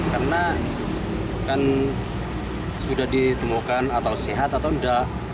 karena kan sudah ditemukan atau sehat atau enggak